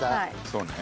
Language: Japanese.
そうね。